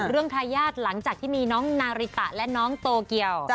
ทายาทหลังจากที่มีน้องนาริตะและน้องโตเกียว